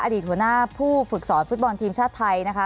อดีตหัวหน้าผู้ฝึกสอนฟุตบอลทีมชาติไทยนะคะ